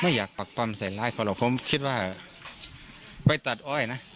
อยากปักปำใส่ร้ายเขาหรอกผมคิดว่าไปตัดอ้อยนะ